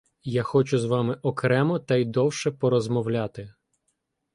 Я хочу з вами окремо та й довше порозмовляти.